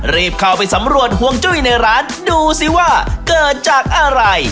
รีบเข้าไปสำรวจห่วงจุ้ยในร้านดูสิว่าเกิดจากอะไร